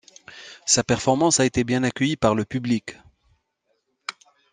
Sa performance a été bien accueillie par le public.